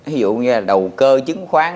ví dụ như là đầu cơ chứng khoán